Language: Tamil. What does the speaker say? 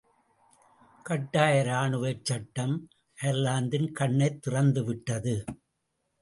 கட்டாய ராணுவச்சட்டம், அயர்லாந்தின் கண்ணைத் திறந்துவிட்டது.